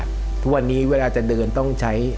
ทุกวันนี้เวลาจะเดินต้องใช้